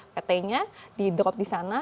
pt nya di drop di sana